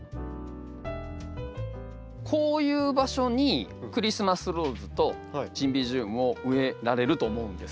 こういう場所にクリスマスローズとシンビジウムを植えられると思うんです。